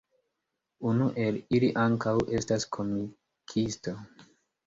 Unu el ili ankaŭ estas komikisto.